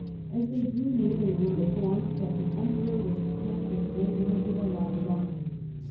As they drew near they were informed Mouzon. ^^^ ^0 emperor was encamped in the neigh bourhood with a large army.